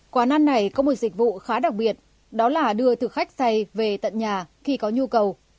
quán ăn này có một dịch vụ khá đặc biệt đó là đưa thực khách xay về tận nhà khi có nhu cầu